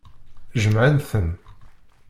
Jemɛent-ten.